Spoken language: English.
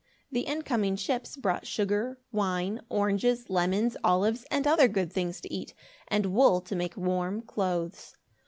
The incoming ships brought sugar, wine, oranges, lemons, olives and other good things to eat, and wool to make warm clothes.